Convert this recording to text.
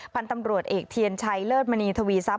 พันธุ์ตำรวจเอกเทียนชัยเลิศมณีทวีทรัพย